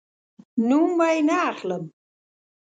نوم به یې نه اخلم